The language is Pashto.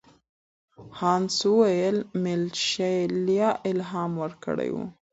هانس وویل میشایلا الهام ورکړی و.